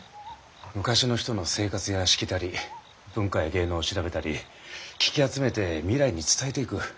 昔の人の生活やしきたり文化や芸能を調べたり聞き集めて未来に伝えていく。